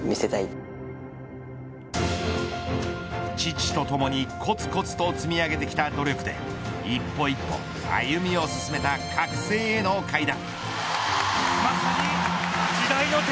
父とともにこつこつと積み上げてきた努力で一歩一歩歩みを進めた、覚醒への階段。